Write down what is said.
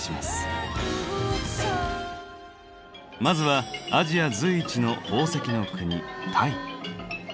まずはアジア随一の宝石の国タイ。